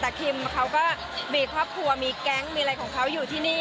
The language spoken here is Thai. แต่คิมเขาก็มีครอบครัวมีแก๊งมีอะไรของเขาอยู่ที่นี่